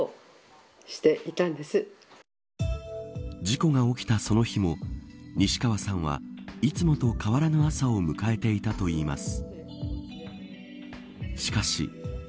事故が起きたその日も西川さんはいつもと変わらぬ朝を迎えていたといいます。